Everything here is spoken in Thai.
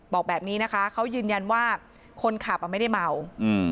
บอกแบบนี้นะคะเขายืนยันว่าคนขับอ่ะไม่ได้เมาอืม